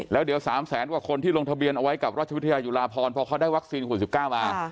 แล้วเดี๋ยว๓แสนกว่าคนที่ลงทะเบียนเอาไว้กับราชวิทยายุลาพรพอเขาได้วัคซีนขวด๑๙มา